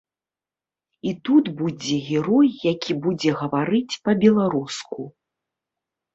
І тут будзе герой які будзе гаварыць па-беларуску.